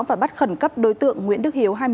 và bắt khẩn cấp đối tượng nguyễn đức hiếu